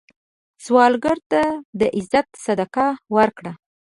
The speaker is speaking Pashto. سوالګر ته د عزت صدقه ورکړه